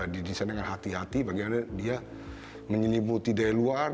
didesain dengan hati hati bagaimana dia menyelimuti dari luar